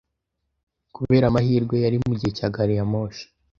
Kubera amahirwe, yari mugihe cya gari ya moshi.